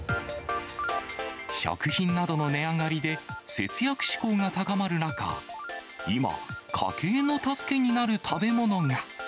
食品などの値上がりで、節約志向が高まる中、今、家計の助けになる食べ物が。